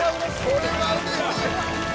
これはうれしい。